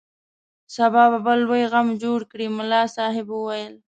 سبا به بل لوی غم جوړ کړي ملا صاحب وویل.